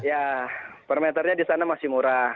ya permiternya di sana masih murah